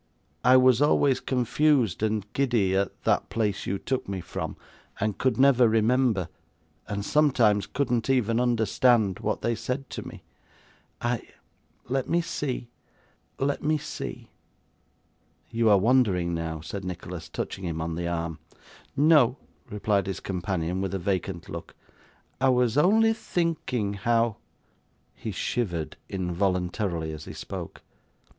I was always confused and giddy at that place you took me from; and could never remember, and sometimes couldn't even understand, what they said to me. I let me see let me see!' 'You are wandering now,' said Nicholas, touching him on the arm. 'No,' replied his companion, with a vacant look 'I was only thinking how ' He shivered involuntarily as he spoke.